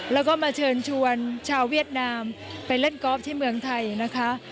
แล้วก็มาเชิญชวนชาวเวียดนามไปเล่นกอล์ฟที่เมืองไทยนะคะ